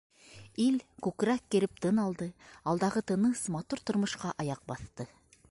Ил күкрәк киреп тын алды, алдағы тыныс, матур тормошҡа аяҡ баҫты.